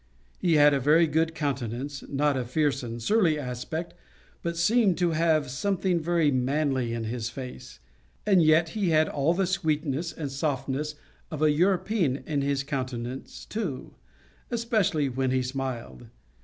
He had a very good countenance, not a fierce and surly aspect, but seemed to have something very manly in his face; and yet he had all the sweetness and softness of a European in his countenance, too, especially when he smiled.